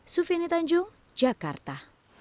sufini tanjung jakarta